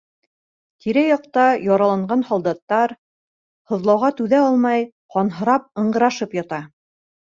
Тирә-яҡта яраланған һалдаттар һыҙлауға түҙә алмай, ҡанһырап, ыңғырашып ята.